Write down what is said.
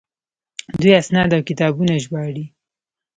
دوی اسناد او کتابونه ژباړي.